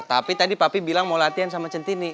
tapi tadi papi bilang mau latihan sama centi ini